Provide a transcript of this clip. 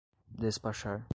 despachar